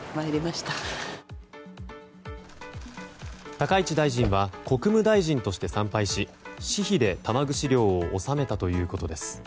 高市大臣は国務大臣として参拝し私費で玉串料を納めたということです。